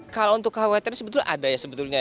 kalau untuk khawatir sebetulnya ada ya